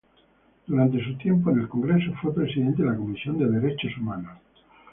Durante su tiempo en el Congreso fue presidente de la comisión de derechos humanos.